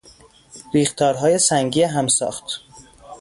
ریختارهای سنگی همساخت